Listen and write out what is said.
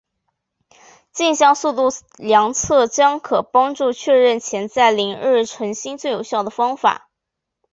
径向速度量测将可帮助确认潜在凌日恒星最有效的方式。